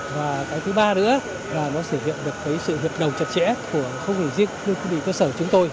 và thứ ba nữa là nó thể hiện được sự hiệp đồng chật chẽ của không hề riêng đơn vị cơ sở của chúng tôi